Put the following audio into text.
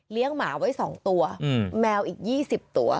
หมาไว้๒ตัวแมวอีก๒๐ตัว